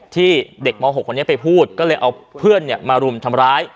ที่เด็กม๖คนนี้ไปพูดก็เลยเอาเพื่อนมารุมทำร้าย